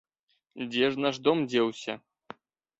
Дзе ж наш дом дзеўся?